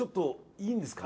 いいんですか？